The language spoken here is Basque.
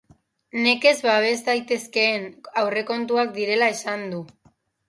Nekez babes daitezkeen aurrekontuak direla esan du.